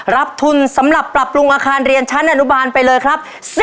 รับทุนสำหรับปรับปรุงอาคารเรียนชั้นอนุบาลไปเลยครับ